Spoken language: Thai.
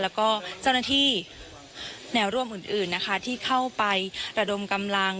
แล้วก็เจ้าหน้าที่แนวร่วมอื่นนะคะที่เข้าไประดมกำลัง